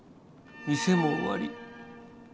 店も終わり。